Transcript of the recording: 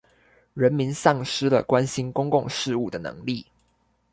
人民喪失了關心公共事務的能力